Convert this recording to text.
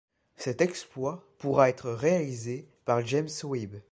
Cet exploit pourra être réalisé par James Webb.